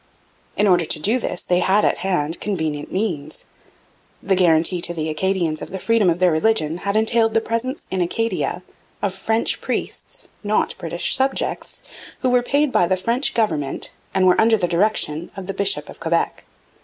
In order to do this they had at their hand convenient means. The guarantee to the Acadians of the freedom of their religion had entailed the presence in Acadia of French priests not British subjects, who were paid by the French government and were under the direction of the bishop of Quebec.